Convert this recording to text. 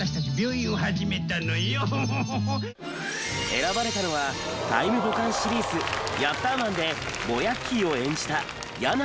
選ばれたのは『タイムボカンシリーズヤッターマン』でボヤッキーを演じた八奈見乗児。